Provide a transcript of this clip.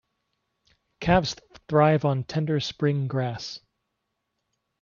Calves thrive on tender spring grass.